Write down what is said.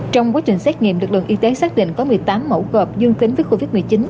trong quá trình xét nghiệm lực lượng y tế xác định có một mươi tám mẫu gợp dương tính với covid một mươi chín